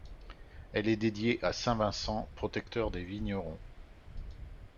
Elle est dédiée à saint Vincent, protecteur des vignerons.